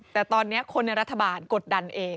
แต่ตอนนี้คนในรัฐบาลกดดันเอง